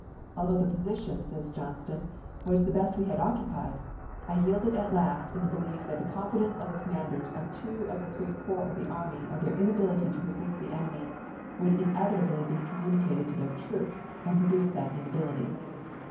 "Although the position," says Johnston, "was the best we had occupied, I yielded at last in the belief that the confidence of the commanders of two of the three corps of the army of their inability to resist the enemy would inevitably be communicated to their troops, and produce that inability.